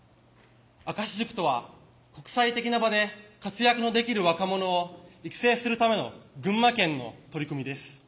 明石塾とは国際的な場で活躍のできる若者を育成するための群馬県の取り組みです。